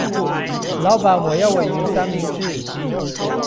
老闆我要鮪魚三明治